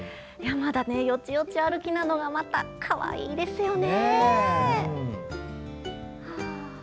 まだよちよち歩きなのがまたかわいいですよね。